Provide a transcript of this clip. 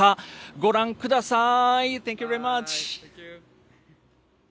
ご覧ください。